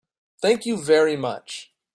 Thank you very much.